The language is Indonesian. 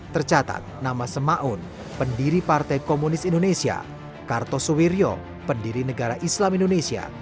tercatat nama semaun pendiri partai komunis indonesia kartos suwiryo pendiri negara islam indonesia